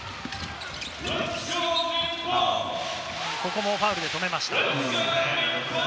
ここもファウルで止めました。